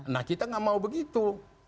nah kita gak mau begitu